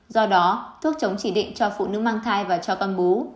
do đó thuốc chống chỉ định cho phụ nữ mang thai và cho con bú